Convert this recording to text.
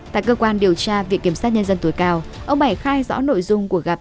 tại cơ quan điều tra viện kiểm sát nhân dân tối cao ông bảy khai rõ nội dung của gặp